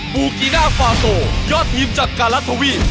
กูกิน่าฟาโตยอดทีมจากการรัฐทวีป